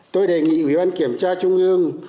tôi đề nghị ủy ban kiểm tra trung ương